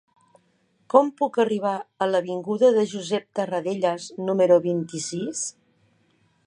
Com puc arribar a l'avinguda de Josep Tarradellas número vint-i-sis?